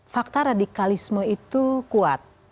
fakta radikalisme itu kuat